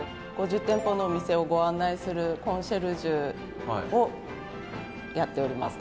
５０店舗のお店をご案内するコンシェルジュをやっております。